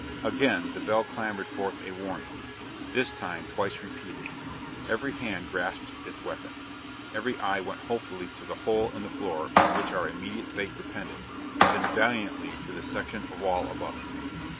Again the bell clamored forth a warning, this time twice repeated. Every hand grasped its weapon. Every eye went hopefully to the hole in the floor on which our immediate fate depended, then valiantly to the section of wall above it.